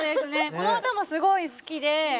この歌もすごい好きで。